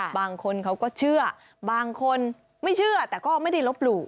บางคนเขาก็เชื่อบางคนไม่เชื่อแต่ก็ไม่ได้ลบหลู่